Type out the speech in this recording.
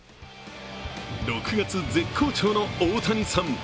６月、絶好調の大谷さん。